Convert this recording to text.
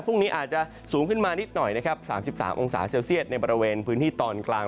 พรุ่งนี้อาจจะสูงขึ้นมานิดหน่อยนะครับ๓๓องศาเซลเซียตในบริเวณพื้นที่ตอนกลาง